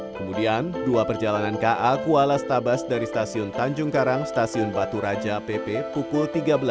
kemudian dua perjalanan ka kuala stabas dari stasiun tanjung karang stasiun batu raja pp pukul tiga belas